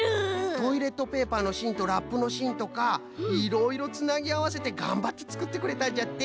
トイレットペーパーのしんとラップのしんとかいろいろつなぎあわせてがんばってつくってくれたんじゃって！